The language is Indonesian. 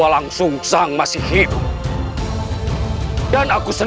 kau masih putraku